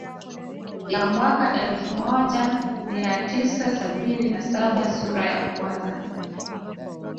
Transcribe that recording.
Ya mwaka elfu moja mia tisa sabini na saba sura ya kwanza